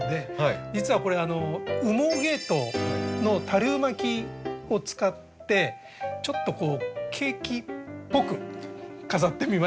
実はこれ羽毛ケイトウの多粒まきを使ってちょっとケーキっぽく飾ってみました。